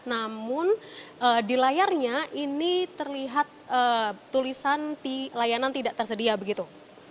namun di layarnya ini terlihat tulisan layanan tidak tersedia begitu